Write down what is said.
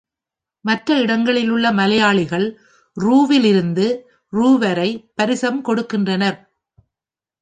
மற்ற இடங்களிலுள்ள மலையாளிகள் ரூ. லிருந்து ரூ. வரை பரிசம் கொடுக்கின்றனர்.